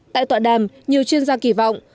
tại tọa đàm nhiều chuyên gia kỳ vọng